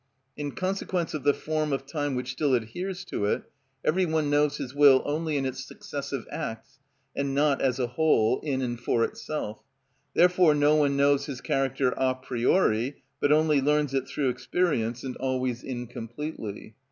In consequence of the form of time which still adheres to it, every one knows his will only in its successive acts, and not as a whole, in and for itself: therefore no one knows his character a priori, but only learns it through experience and always incompletely.